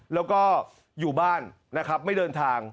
แล้วก็อยู่บ้านนะครับไม่เดินทาง